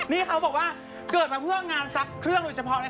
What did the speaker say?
นี่เขาบอกว่าเกิดมาเพื่องานซักเครื่องโดยเฉพาะเลยค่ะ